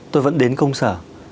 tôi vẫn đến công sở